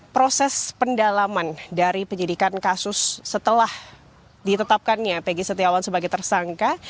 proses pendalaman dari penyidikan kasus setelah ditetapkannya pegi setiawan sebagai tersangka